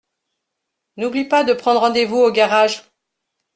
N’oublie pas de prendre rendez-vous au garage.